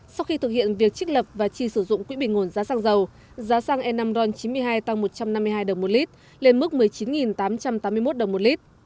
sau khi thực hiện việc trích lập và chi sử dụng quỹ bình nguồn giá xăng dầu giá xăng e năm ron chín mươi hai tăng một trăm năm mươi hai đồng một lít lên mức một mươi chín tám trăm tám mươi một đồng một lít